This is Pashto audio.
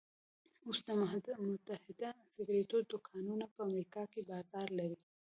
اوس د متحده سګرېټو دوکانونه په امريکا کې بازار لري.